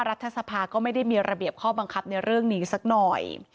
รัฐสภาก็ไม่ได้มีระเบียบข้อบังคับในเรื่องนี้สักหน่อย